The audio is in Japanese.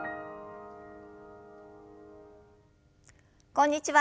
こんにちは。